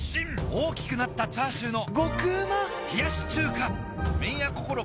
大きくなったチャーシューの麺屋こころ